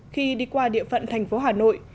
khi đi qua địa phận thành phố hà nội